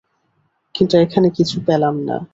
কিন্তু এখানে কিছু পেলাম না।